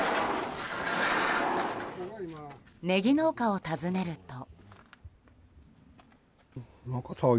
ネギ農家を訪ねると。